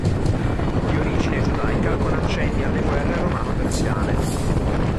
Di origine giudaica con accenni alle guerre romano-persiane.